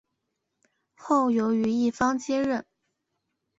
后由于一方接任。